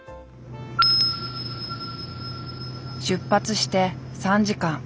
出発して３時間。